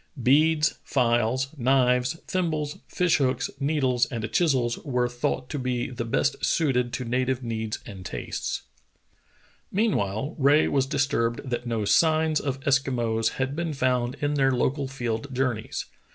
Beads, files, knives, thimbles, fish hooks, needles, and chisels were thought tp be the best suited to native needs and tastes. 146 True Tales of Arctic Heroism Meanwhile, Rae was disturbed that no signs of Eski mos had been found in their local field journeys.